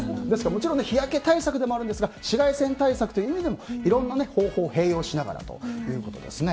もちろん日焼け対策でもあるんですが紫外線対策という意味でもいろんな方法を併用しながらということですね。